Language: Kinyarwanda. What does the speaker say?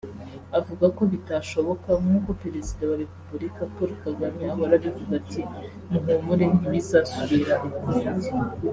avuga ko bitashoboka nkuko Perezida wa Repubulika Paul Kagame ahora abivuga ati “Muhumure Ntibizasubira ukundi”